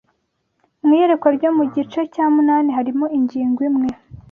Mu iyerekwa ryo mu gice cya munani harimo ingingo imwe